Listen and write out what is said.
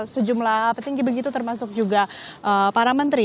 sejumlah petinggi begitu termasuk juga para menteri